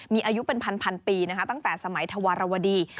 มีอายุเป็นพันปีนะคะตั้งแต่สมัยธวรวดี